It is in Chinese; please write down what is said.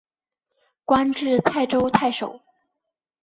官至泰州太守。